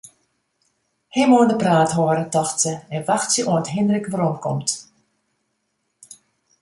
Him oan 'e praat hâlde, tocht se, en wachtsje oant Hindrik weromkomt.